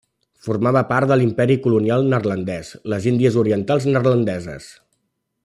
Formava part de l'Imperi Colonial neerlandès, les Índies Orientals Neerlandeses.